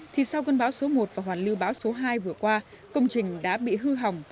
thì sau cơn bão số một và hoàn lưu bão số hai vừa qua công trình đã bị hư hỏng